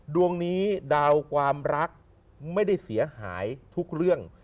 ดวงนี้ดาวความรักไม่ได้เสียหายทุกเรื่อง